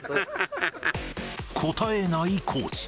答えないコーチ。